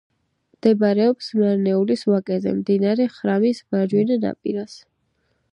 მდებარეობს მარნეულის ვაკეზე, მდინარე ხრამის მარჯვენა ნაპირას.